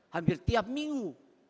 hampir tiap minggu